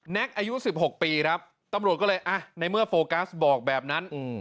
อายุ๑๖ปีครับตำรวจก็เลยอ่ะในเมื่อโฟกัสบอกแบบนั้น